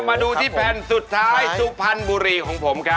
มาดูที่แผ่นสุดท้ายสุพรรณบุรีของผมครับ